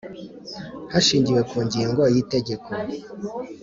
Hashingiwe ku ngingo ya y Itegeko